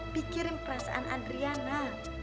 pikirin perasaan adriana